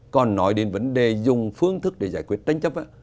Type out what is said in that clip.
còn nói đến vấn đề dùng phương thức để giải quyết tranh chấp á